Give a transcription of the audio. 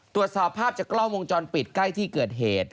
ตรวจสอบภาพจากกล้องวงจรปิดใกล้ที่เกิดเหตุ